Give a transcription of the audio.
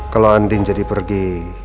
kalo andin jadi pergi